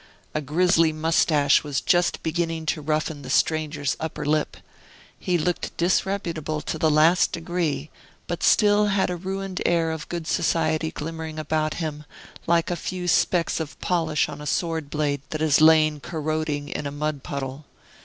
A grisly mustache was just beginning to roughen the stranger's upper lip. He looked disreputable to the last degree, but still had a ruined air of good society glimmering about him, like a few specks of polish on a sword blade that has lain corroding in a mud puddle.